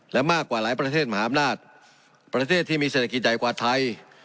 และมากกว่าหลายประเทศมหาอำนาจประเทศที่มีเศรษฐกิจใหญ่กว่าไทย